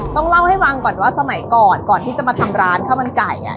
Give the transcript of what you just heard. ต้องเล่าให้ฟังก่อนว่าสมัยก่อนก่อนที่จะมาทำร้านข้าวมันไก่